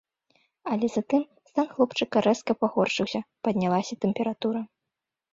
Але затым стан хлопчыка рэзка пагоршыўся, паднялася тэмпература.